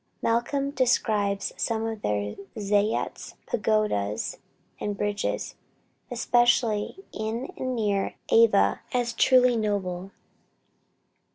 Malcom describes some of their zayats, pagodas and bridges, especially in and near Ava, as truly noble.